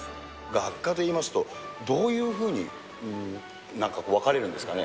学科でいいますと、どういうふうになんか、分かれるんですかね？